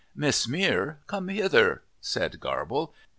"Miss Mere, come hither," said Garble.